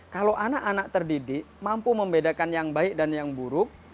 kalau anak anak terdidik mampu membedakan yang baik dan yang buruk